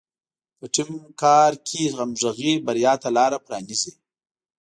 په ټیم کار کې همغږي بریا ته لاره پرانیزي.